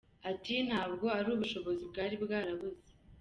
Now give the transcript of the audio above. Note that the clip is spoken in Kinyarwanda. Ati “Ntabwo ari ubushobozi bwari bwarabuze.